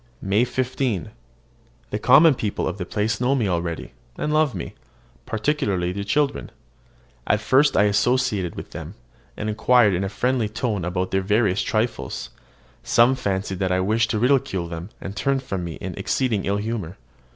MAY 15. The common people of the place know me already, and love me, particularly the children. When at first I associated with them, and inquired in a friendly tone about their various trifles, some fancied that I wished to ridicule them, and turned from me in exceeding ill humour.